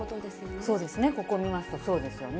そうですね、ここ見ますとそうですよね。